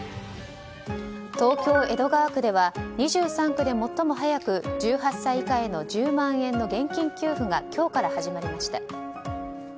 東京・江戸川区では２３区で最も早く１８歳以下への１０万円の現金給付が今日から始まりました。